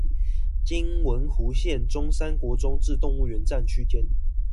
今文湖線中山國中至動物園站區間